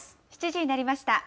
７時になりました。